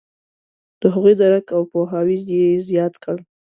د هغوی درک او پوهاوی یې زیات کړ.